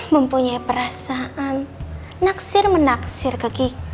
mempunyai perasaan naksir menaksir ke kiki